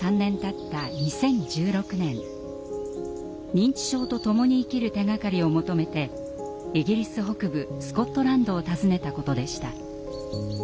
認知症とともに生きる手がかりを求めてイギリス北部スコットランドを訪ねたことでした。